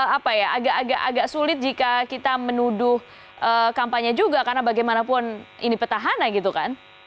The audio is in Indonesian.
apa ya agak agak sulit jika kita menuduh kampanye juga karena bagaimanapun ini petahana gitu kan